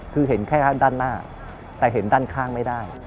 คือเห็นแค่ด้านหน้าแต่เห็นด้านข้างไม่ได้